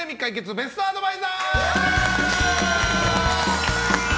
ベストアドバイザー！